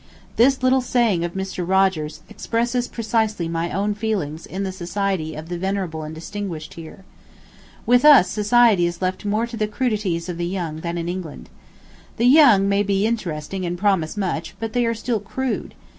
This little saying of Mr. Rogers expresses precisely my own feelings in the society of the venerable and distinguished here. With us society is left more to the crudities of the young than in England. The young may be interesting and promise much, but they are still crude.